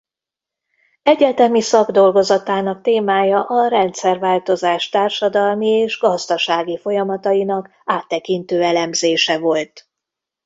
Egyetemi szakdolgozatának témája a rendszerváltozás társadalmi és gazdasági folyamatainak áttekintő elemzése volt.